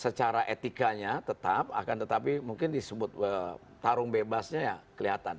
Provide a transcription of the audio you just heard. secara etikanya tetap akan tetapi mungkin disebut tarung bebasnya ya kelihatan